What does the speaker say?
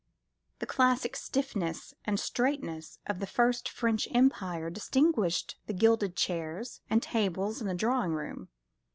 The classic stiffness and straightness of the First French Empire distinguished the gilded chairs and tables in the drawing room.